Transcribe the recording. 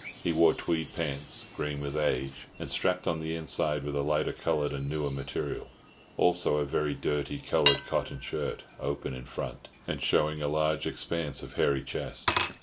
He wore tweed pants, green with age, and strapped on the inside with a lighter coloured and newer material; also a very dirty coloured cotton shirt, open in front, and showing a large expanse of hairy chest.